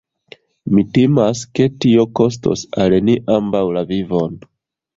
Mi timas, ke tio kostos al ni ambaŭ la vivon.